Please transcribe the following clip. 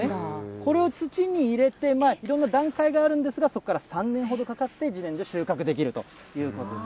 これを土に入れて、いろんな段階があるんですが、そこから３年ほどかかってじねんじょ収穫できるということです。